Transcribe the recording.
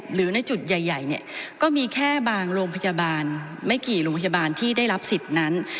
หรือในจุดใหญ่เนี่ยก็มีแค่บางโรงพยาบาลไม่กี่โรงพยาบาลที่ได้รับสิทธิ์นั้น